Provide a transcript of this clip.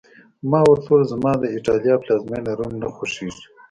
ما ورته وویل: زما د ایټالیا پلازمېنه، روم نه خوښېږي.